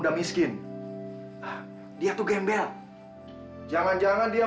sampai jumpa di video selanjutnya